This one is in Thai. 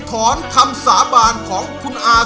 โปรดติดตามต่อไป